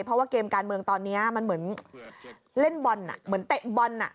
เพราะว่าเกมการเมืองตอนนี้มันเหมือนเล่นบอลเหมือนเตะบอล